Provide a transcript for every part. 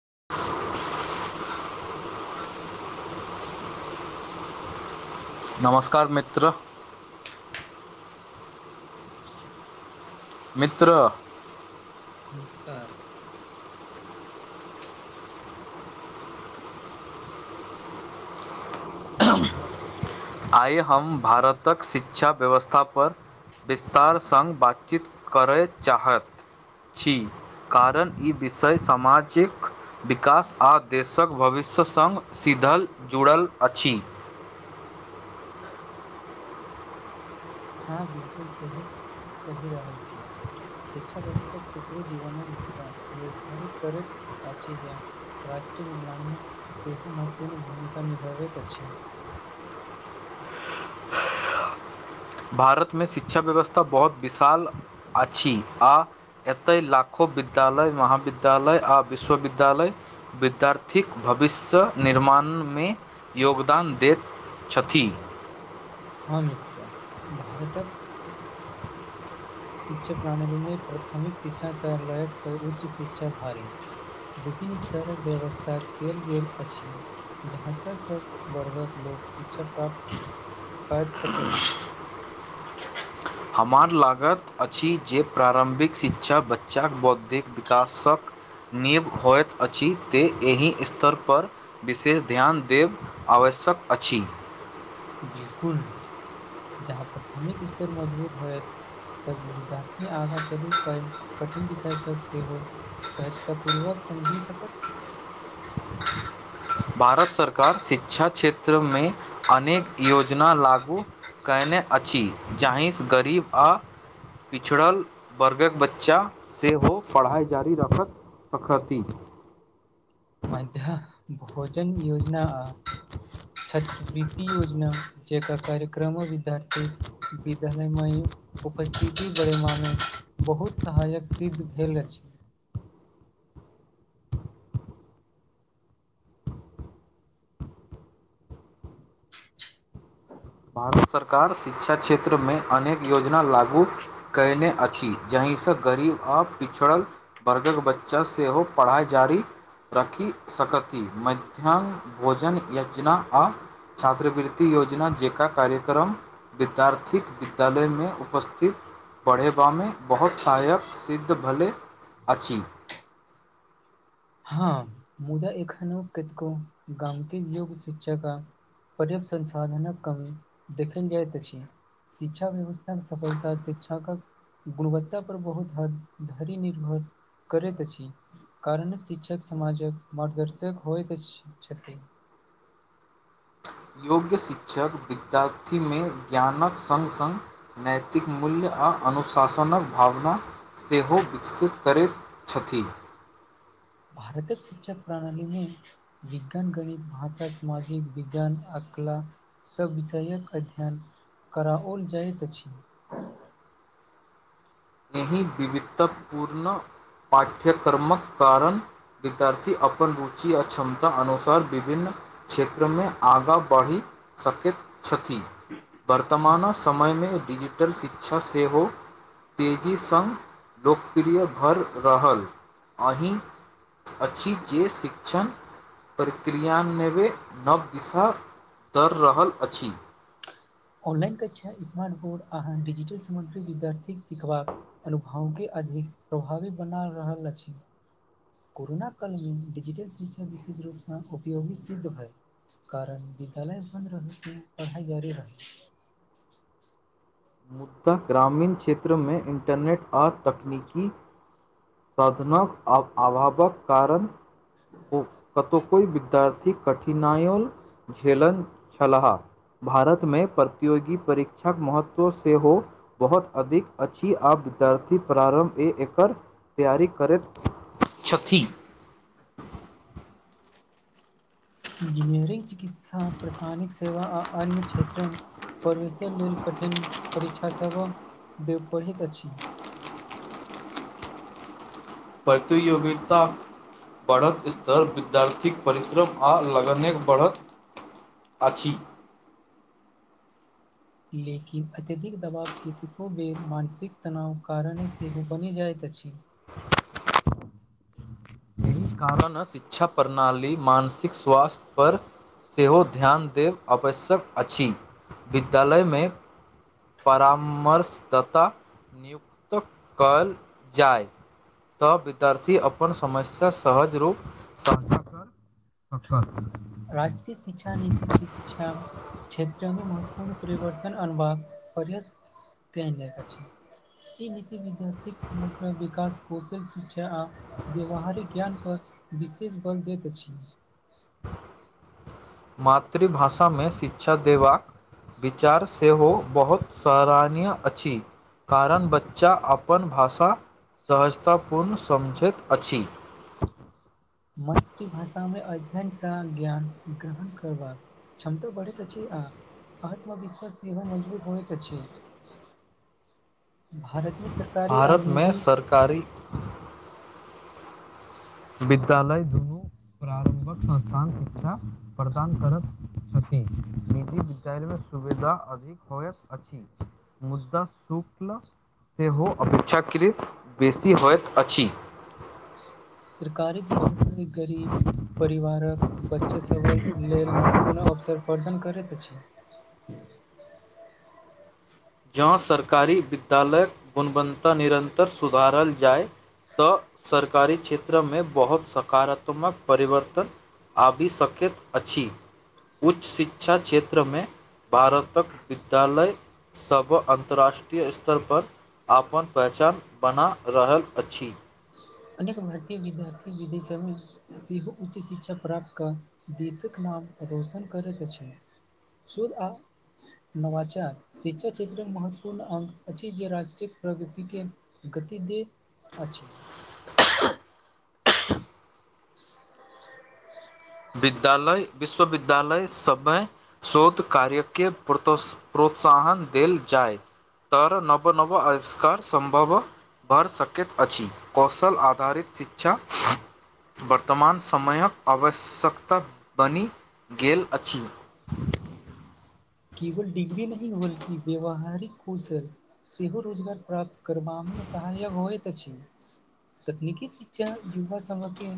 [inaudible] [inaudible] नमस्कार मित्र मित्र नमस्कार मसत आइ हम भारतक शिक्षा व्यवस्थापर विस्तार सङ्ग बातचीत करय चाहैत छी कारण ई विषय सामाजिक विकास आ देशक भविष्य सङ्ग सीद्ध धल जुड़ल अछि [unintelligible] हँ बिलकुल सही कहि रहल छी शिक्षा व्यवस्था कुकरो जीवनक दिशा निर्धारित करैत अछि जे राष्ट्र निर्माणमे सेहो महत्वपूर्ण भूमिका निभाबैत अछि भारतमे शिक्षा व्यवस्था बहुत विशाल अछि आ एतय लाखो विद्यालय महाविद्यालय आ विश्वविद्यालय विद्यार्थीक भविष्य निर्माण मान मे योगदान दैत छथि हँ मित्र भारतक शिक्षा प्रणाली मे प्राथमिक शिक्षा स लक उच्च शिक्षाधारी विभिन्न स्तरक व्यवस्था कयल गेल अछि जहाँ सँ सब वर्गक लोक शिक्षा प्राप्त कर सकथि [inaudible] हमरा लागत अछि जे प्रारम्भिक शिक्षा बच्चाक बौद्धिक विकासक नीव होइत अछि ते एहि स्तर पर विशेष ध्यान देब आवश्यक सक अछि बिलकुल जहाँ प्रथमिक स्तर मजबूत होयत तब विद्यार्थी आगाँ चलि क कठिन विषय सब सेहो सहजता पूर्वक समझी सकत भारत सरकार शिक्षा क्षेत्र मे अनेक योजना लागू कयने अछि जाहिसँ गरीब अ पिछड़ल वर्गक बच्चा सेहो पढ़ाइ जारी रखत सखति मध्य भोजन योजना आ छात्रवृति योजना जेकर कार्यक्रम विद्यार्थी विद्यालय म उपस्थिति बरेमामे बहुत सहायक सिद्ध भेल अछि [inaudible] भारत सरकार शिक्षा क्षेत्र में अनेक योजना लागू कयने अछि जाहि की सब गरीब आ पिछड़ल वर्गक बच्चा सेहो पढ़ाई जारी रखि सकथि मध्याह्न भोजन योजना आ छात्रवृति योजना जे कार्यक्रम विद्यार्थीक विद्यालय में उपस्थित पढ़येबा में बहुत सहायक सिद्ध भेलैइ अछि हँअ् एखनो कतको गाम के योग्य शिक्षा का पर्याप्त संसाधनक कमी देखल जाइत अछि शिक्षा व्यवस्था के सफलता शिक्षकक गुणवत्ता पर बहुत हद धरि निर्भर करैत अछि कारण शिक्षक समाजक मार्गदर्शक होइत अछि छथिन योग्य शिक्षक विद्यार्थी में ज्ञानक सङ्ग सङ्ग नैतिक मूल्य आ अनुशासनक भावना सेहो विकसित करैत छथि [inaudible] भारतक शिक्षा प्रणाली में विज्ञान गणित भाषा सामाजिक विज्ञान आ कला सब विषयक अध्ययन कराओल जाइत अछि एहि विविधतापूर्ण पाठ्यक्रमक कारण विद्यार्थी अपन रुचि आ क्षमता अनुसार विभिन्न क्षेत्रमे आगाँ बढ़ी सकैत छथि वर्तमान समय में डिजिटल शिक्षा सेहो तेजी सङ्ग लोकप्रिय भऽ रहल अहि अछि जे शिक्षण प्रक्रिया नवें नव दिशा दऽ रहल अछि ऑनलाइन कक्षा स्मार्ट बोर्ड अहाँ डिजिटल सामग्री विद्यार्थीक सिखबाक अनुभव के अधिक प्रभावी बना रहल अछि कोरोना काल में डिजिटल शिक्षा विशेष रूपसँ उपयोगी सिद्ध भए कारण विदालय बंद रहै पढ़ाई जारी रहै मुदा ग्रामीण क्षेत्रमे इन्टरनेट आ तकनीकी साधनक अभावक कारण ओ कतहु कोई वि तर्थिक कठिनाइयो झेलल छलहा भारत मे प्रतियोगी परीक्षाक महत्व सेहो बहुत अधिक अच्छी आब विद्यार्थी प्रारम्भ ए एकर तेआरी करैत छथि [inaudible] इंजीनियरिंग चिकित्सा प्रशानिक सेवा आ अन्य क्षेत्र प्रवेशक लेल कठिन परीक्षा सब दे पढ़ैत अछि प्रतियोगिता बढ़त स्तर विद्यार्थीक परिश्रम आ लगनक बढ़त अछि लेकिन अत्यधिक दबाव कतेको बेर मानसिक तनाव कारणे सेहो बनि जाय त [inaudible] कारण शिक्षा प्रणाली मानसिक स्वास्थ्य पर सेहो ध्यान देब आवश्यक अछि विद्यालयमे परामर्शदता नियुक्त कयल जाय तऽ विद्यार्थी अपन समस्या सहज रूप समाधन [unintelligible] कर स राष्ट्रीय शिक्षा नीति शिक्षा क्षेत्रमे महत्वपूर्ण परिवर्तन अनबाक अर पडक छै [unintelligible] ई नीति विद्यार्थ समग्र विकास कौशल सिछ आ व्यावहारिक ज्ञान पर विशेष बल दैत अछि मातृभाषा में शिक्षा देबाक विचार सेहो बहुत सराहनीय अछि कारण बच्चा अपन भाषा सहजताापूर्ण समझैत अछि मातृभाषामें अध्ययन सं ज्ञान ग्रहण करबाक क्षमता बढ़ेत अछि आ आत्मविश्वास सेहो मजबूत होए तऽ अछि भारत में सरकारी आ भारतमे निजी सरकारी विद्यालय दुनू प्रारम्भक संस्थान शिक्षा प्रदान करत छथि निजी विद्यालय में सुविधा अधिक होइत अछि मुद्दा शूक्ल सेहो अपेक्षाकृत बेसी होइत अछि सकारी विद्यालय गरीब परिवारक बच्चे सभक लेल महत्वपूर्ण अवसर प्रदान करैत अछि [unintelligible] जँ सरकारी विद्यालयक गुणबंता निरन्तर सुधारल जाय तऽ सरकारी क्षेत्र में बहुत सकारात्मक परिवर्तन आबि शकैत अछि उच्च शिक्षा क्षेत्रमें भारतक विद्यालय सब अन्तर्राष्ट्रीय स्तर पर आपन पहचान बना रहल अछि अनेक भारतीय विद्यार्थी विदेश में सेहो उच्च शिक्षा प्राप्त कऽ देशक नाम रौशन करैत अछि शुद्ध आ नवाचार शिक्षा क्षेत्र में महत्वपूर्ण अंग अछि जे राष्ट्र प्रगति के गति देत अछि [unintelligible] विद्यालय विश्वविद्यालय समय शोध कार्यकेत प्रतोस प्रोत त्साहन देल जाइ तर नव नव अविष्कार संभव भढ़ सकैत अछि कौशल आधारित शिक्षा वर्तमान समयक आवश्यक सक बनि गेल अछि केवल डीग्री नहि बल्कि व्यवहारिक कौशल सेहो रोजगार प्राप्त करबामें सहायक होइत अछि तकनीकी शिक्षा युवा समके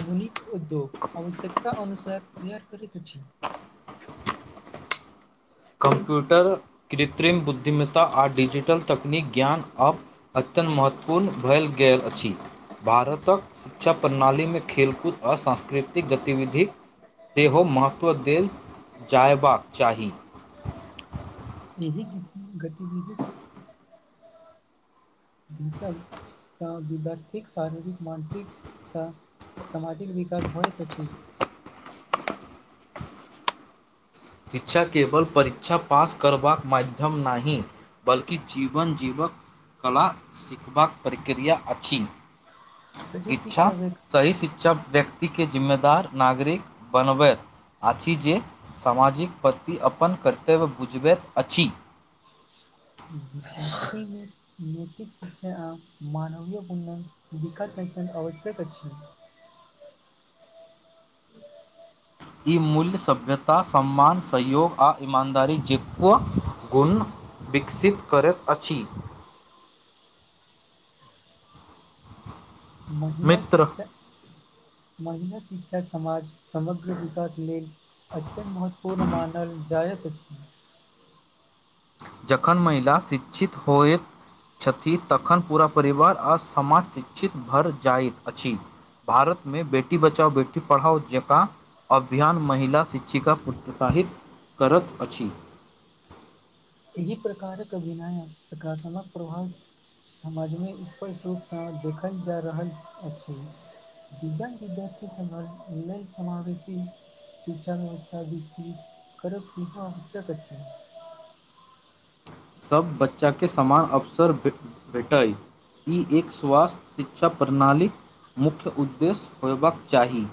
आधुनिक उद्योग आवश्यकता अनुसार तैयार करैत अछी कम्प्यूटर कृत्रिम बुद्धिमत्ता आ डिजिटल तकनीक ज्ञान आ अ महत्वपूर्ण भेल गेल अछि भारतक शिक्षा प्रणाली में खेलकूद अशा स्कृतिक गतिविधिक सेहो महत्व देल जायबाक चाही एहि क गतिविधि त विद्यार्थिक शारीरिक मानसिक सा सामाजिक विकास होयत अछि शिक्षा केवल परीक्षा पास करबाक मध्यम नाहि बल्कि जीवन जीवक कला सिखबाक प्रक्रिया अछि शिक्षा सही शिक्षा व्यक्त के जिम्मेदार नागरिक बनबै अछि जे सामाजिक प्रति अपन कर्तव्य बुझबैत अछि इकल में नैतिक शिक्षा आ मानवीयपुणन विकासखन आवश्यक अछि छै ई मूल्य सभ्यता सम्मान सहयोग आ ईमानदारी जेको गुण विकसित करैत अछि [inaudible] महिला मित्र, शिक्षा महिला शिक्षा समाज समग्र विकास लेल एतेक महत्वपूर्ण मानल जायत छै जखन महिला शिक्षित होएत छथि तखन पूरा परिवार आ समाज शिक्षित भर जाइत अछि भारत मे बेटी बचाओ बेटी पढ़ाओ जेका अभियान महिला शिक्षिका प्रोत्साहित करैत अछि इह प्रकारक अभनय सकारात्मक प्रभाव समझमे स्पष्ट रूप सँ देखल जा रहल अछि दिव्यांग विद्यार्थी सबहक लय समावेशी शिक्षा व्यवस्था विकसित करब सेहो आवश्यक अछि सब बच्चाके समान अवसर भेटय ई एक स्वास्थ्य शिक्षा प्रणालीक मुख्य उद्देश्य होयबाक चाही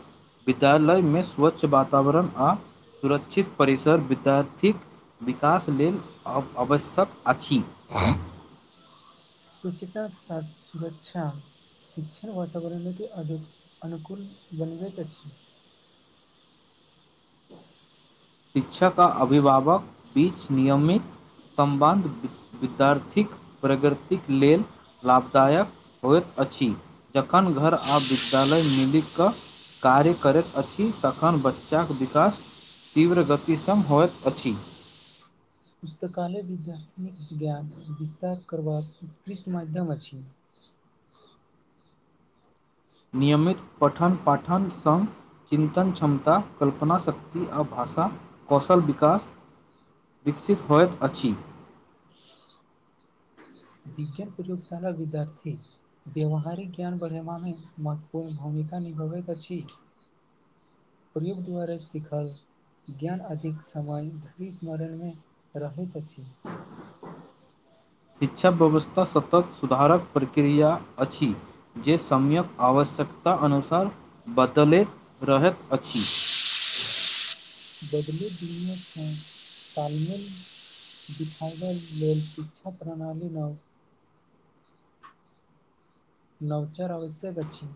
विद्यालय मे स्वच्छ वातावरण आ सुरक्षित परिसर विद्यार्थीक विकास लेल अ आवश्यक अछि स्वच्छता आ सुरक्षा शिक्षण वातावरण के अनु अनुकूल बनबैत अछि शिक्षक आ अभिभावक बीच नियमित सं्बन्ध विद्यार्थीक प्रगतिक लेल लाभदायक होयत अछि अछि जखन घर आ विद्यालय मिल कऽ कार्य करैत अछि तखन बच्चाक विकास तीव्र गतिश होइत अछि पुस्तकालय विद्यार्थी ज्ञान विस्तार करबाक उत्कृष्ट माध्यम अछि नियमित पठन पाठन सङ्ग चिन्तन क्षमता कल्पना शक्ति आ भारत श कौशल विकास विकसित होइत अछि [inaudible] विज्ञान प्रयोगशाला विद्यार्थी व्यावहारिक ज्ञान बढ़ेवा मे महत्वपूर्ण भूमिका नि भवैत अछी प्रयोग द्वारा सिखल ज्ञान अधिक समान धरि स्मरण मे रहैत अछि शिक्षा व्यवस्था सतत सुधारक प्रक्रिया अछि जे समय्क आवश्यक आवश्यकता अनुसार बदलैत रहैत अछि बदलू दिनमे तालमेल दिखाबय लेल शिक्षा प्रणाली न नवचार आवश्यक छी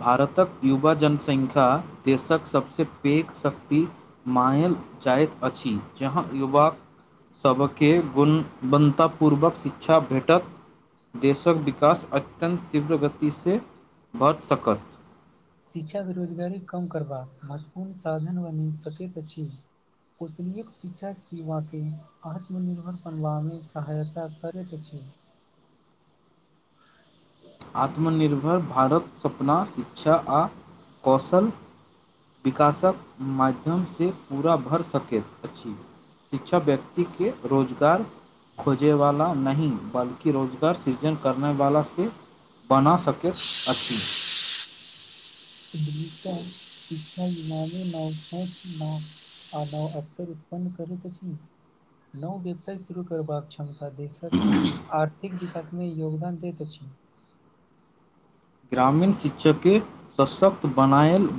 भारतक युवा जनसंख्या देशक सबसँ पैघ शक्ति मायल जाइत अछि जहाँ युवा सभके गुणवततापूर्वक शिक्षा भेटत देशक विकास अत्यन्त तीव्र गति सँ भऽ सकत शिक्षा बेरोजगारी कम करबाक महत्वपूर्ण साधन बनि सकैत अछि कुशल शिक्षा सेवाकेँ आत्मनिर्भर बनबामे सहायता करैत अछि ह [inaudible] आत्मनिर्भर भारत सपना शिक्षा आ कौशल विकासक माध्यम सँ पूरा भऽ सकैत अछि शिक्षा व्यक्तिे के रोजगार खोजेवाला नहि बल्कि रोजगार सृजन करै वाला से बना सकैत अछि प नी नओ न [unintelligible] आ न अकसर उत्पन्न करैत अछी नव व्यवसाय शुरू करबाक छै क्षमता देशक आर्थिक विकासमे योगदान दैत अछि ग्रामीण शिक्षकके सशक्त बनायल भा